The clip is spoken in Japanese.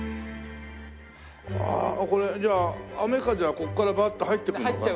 ああこれじゃあ雨風はここからバッと入ってくるのかな？